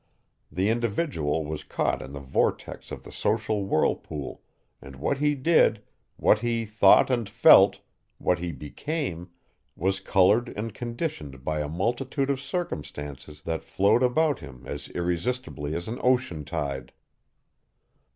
The individual was caught in the vortex of the social whirlpool, and what he did, what he thought and felt, what he became, was colored and conditioned by a multitude of circumstances that flowed about him as irresistibly as an ocean tide.